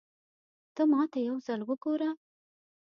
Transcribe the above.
ته ماته يو ځل وګوره